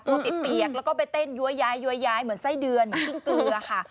ตัวปี๊กแล้วก็ไปเต้นยั๊วยายเหมือนไส้เดือนไม่ติ้งเกลือค่ะ